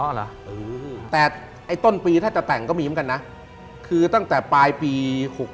เหรอแต่ไอ้ต้นปีถ้าจะแต่งก็มีเหมือนกันนะคือตั้งแต่ปลายปี๖๖